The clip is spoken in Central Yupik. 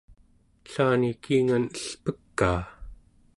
ellani kiingan elpekaa